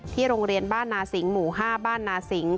โรงเรียนบ้านนาสิงหมู่๕บ้านนาสิง